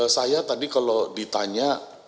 saya tadi kalau ditanya